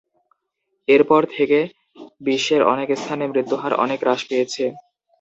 এরপর থেকে বিশ্বের অনেক স্থানে মৃত্যুহার অনেক হ্রাস পেয়েছে।